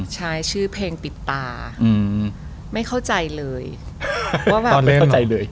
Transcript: ชื่อเพลงปิดตาอือไม่เข้าใจเลยว่าธั้ะเข้าใจเลย